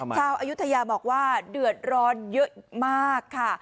อายุทยาบอกว่าเดือดร้อนเยอะมากค่ะ